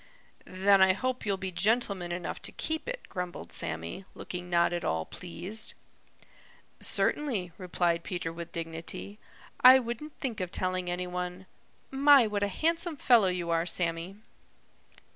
"Then I hope you'll be gentleman enough to keep it," grumbled Sammy, looking not at all pleased. "Certainly," replied Peter with dignity. "I wouldn't think of telling any one. My, what a handsome fellow you are, Sammy."